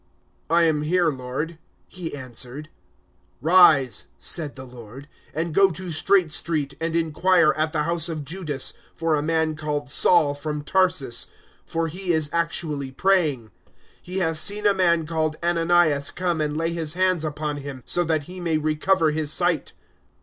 "I am here, Lord," he answered. 009:011 "Rise," said the Lord, "and go to Straight Street, and inquire at the house of Judas for a man called Saul, from Tarsus, for he is actually praying. 009:012 He has seen a man called Ananias come and lay his hands upon him so that he may recover his sight."